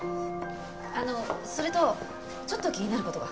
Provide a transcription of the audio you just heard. あのそれとちょっと気になる事が。